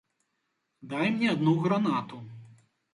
Дай мне адну гранату.